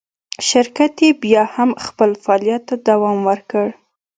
شرکت یې بیا هم خپل فعالیت ته دوام ورکړ.